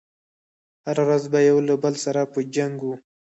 هره ورځ به يو له بل سره په جنګ و.